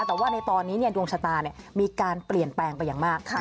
แต่ว่าในตอนนี้ดวงชะตามีการเปลี่ยนแปลงไปอย่างมาก